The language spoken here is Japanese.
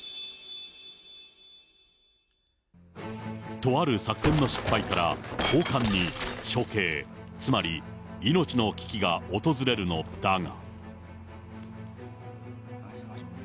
とある作戦の失敗から、高官に処刑、つまり命の危機が訪れるのだが。